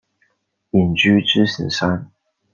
隐居支硎山。